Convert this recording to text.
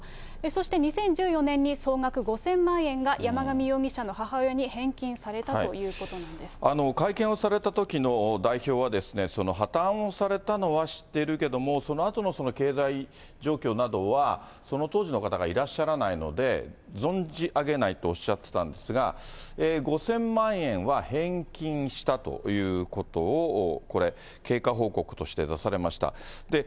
そして２０１４年に総額５０００万円が山上容疑者の母親に返金さ会見をされたときの代表は、破綻をされたのは知っているけども、そのあとのその経済状況などは、その当時の方がいらっしゃらないので、存じ上げないとおっしゃってたんですが、５０００万円は返金したということをこれ、経過報告として出されました。